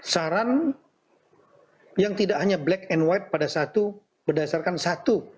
saran yang tidak hanya black and white pada satu berdasarkan satu